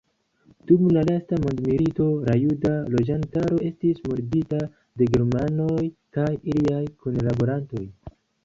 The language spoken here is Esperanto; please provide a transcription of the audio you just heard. Dum la lasta mondmilito la juda loĝantaro estis murdita de germanoj kaj iliaj kunlaborantoj.